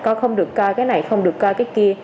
có không được coi cái này không được coi cái kia